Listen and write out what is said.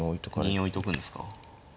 銀置いとくんですか？